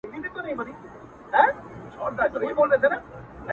• چا یوه او چا بل لوري ته ځغستله ,